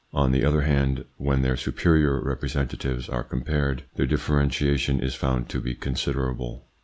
On the other hand, when their superior representatives are compared their differentiation is found to be considerable.